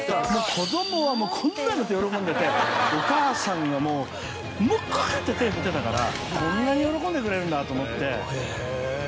子供はこんななって喜んでてお母さんがもうこうやって手振ってたからこんなに喜んでくれるんだと思って。